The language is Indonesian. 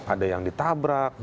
ada yang ditabrak